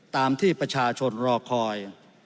ตามที่ประชาชนรอคอย